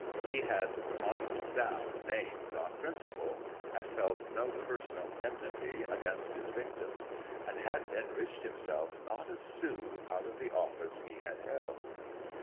He had marked down names on principle, had felt no personal enmity against his victims, and had enriched himself not a sou out of the office he had held.